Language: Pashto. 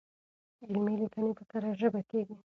علمي ليکنې په کره ژبه کيږي.